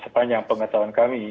sepanjang pengetahuan kami